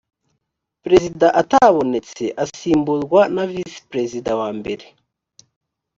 perezida atabonetse asimburwa na visi perezida wa mbere